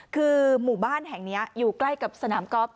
คือหมู่บ้านแห่งนี้อยู่ใกล้กับสนามกอล์